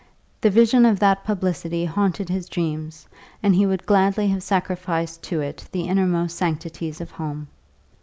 The vision of that publicity haunted his dreams, and he would gladly have sacrificed to it the innermost sanctities of home.